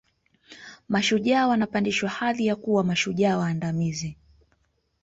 Mashujaa wanapandishwa hadhi ya kuwa mashujaa waandamizi